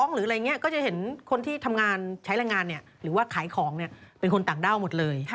หรือว่าขายของเนี่ยเป็นคนต่างด้าวหมดเลย